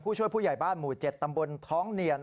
ช่วยผู้ใหญ่บ้านหมู่๗ตำบลท้องเนียน